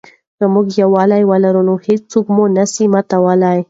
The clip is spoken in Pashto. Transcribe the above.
که موږ یووالي ولرو نو هېڅوک مو نه سي ماتولای.